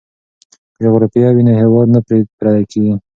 که جغرافیه وي نو هیواد نه پردی کیږي.